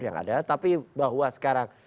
yang ada tapi bahwa sekarang